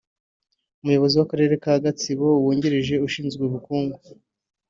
Umuyobozi w’Akarere ka Gatsibo wungirije ushinzwe ubukungu